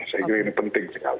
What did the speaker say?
saya kira ini penting sekali